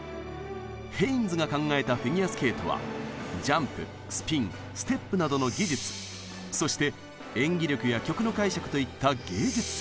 ヘインズが考えたフィギュアスケートはジャンプスピンステップなどの「技術」そして演技力や曲の解釈といった「芸術性」